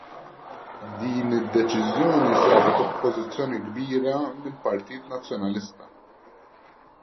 Din id-deċiżjoni sabet oppożizzjoni kbira mill-Partit Nazzjonalista.